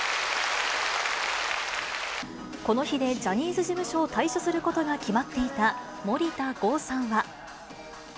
この日でジャニーズ事務所を退所することが決まっていた、森田剛さんは。